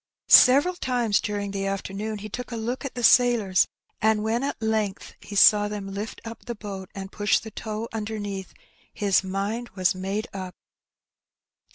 Several times during the afternoon he took a look at the sailors^ and when at length he saw them lift up the boat and push the tow ' underneath^ his mind was made up.